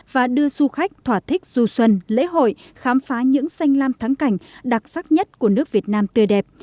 và đưa du khách thỏa thích du xuân lễ hội khám phá những xanh lam thắng cảnh đặc sắc nhất của nước việt nam tươi đẹp